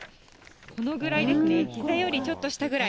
このぐらいですね、ひざよりちょっと下ぐらい。